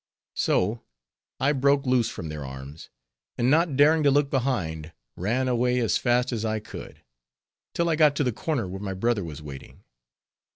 So I broke loose from their arms, and not daring to look behind, ran away as fast as I could, till I got to the corner where my brother was waiting.